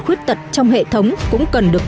khuyết tật trong hệ thống cũng cần được